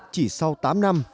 chỉ sau tám năm